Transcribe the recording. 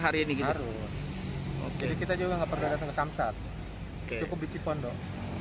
harus jadi kita juga tidak perlu datang ke samsat cukup di cipondoh